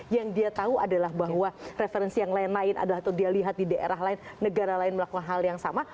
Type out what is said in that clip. yang dia tahu adalah bahwa referensi yang lain lain atau dia lihat di daerah lain negara lain melakukan hal yang sama